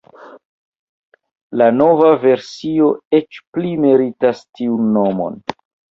La nova versio eĉ pli meritas tiun nomon.